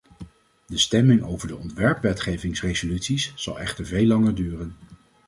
De stemming over de ontwerpwetgevingsresoluties zal echter veel langer duren.